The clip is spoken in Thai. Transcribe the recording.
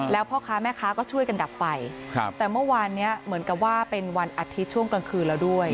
แล้วพ่อค้าแม่ค้าก็ช่วยกันดับไฟแต่เมื่อวานนี้เหมือนกับว่าเป็นวันอาทิตย์ช่วงกลางคืนแล้วด้วย